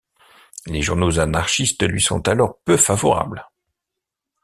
Les journaux anarchistes lui sont alors peu favorables.